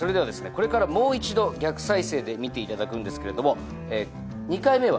これからもう一度逆再生で見ていただくんですけれども。